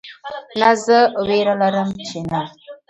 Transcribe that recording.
نه زه ویره لرم چې نه